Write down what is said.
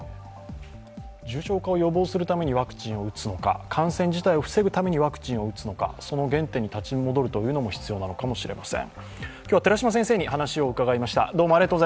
重症化を予防するためにワクチンを打つのか、感染自体を防ぐためにワクチンを打つのか、その原点に立ち戻るのも必要なのかもしれません。